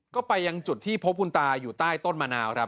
ก็ไปยังจุดที่พบคุณตาอยู่ใต้ต้นมะนาวครับ